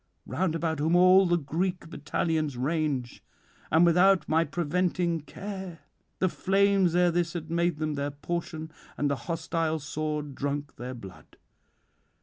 round about whom all the Greek battalions range; and without my preventing care, the flames ere this had made them their portion, and the hostile sword drunk their blood.